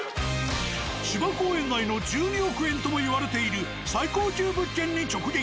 芝公園内の１２億円ともいわれている最高級物件に直撃。